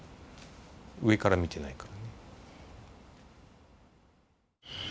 上から見てないから。